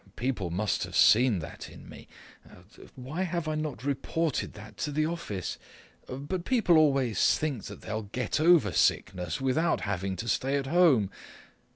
People must have seen that in me. Why have I not reported that to the office? But people always think that they'll get over sickness without having to stay at home.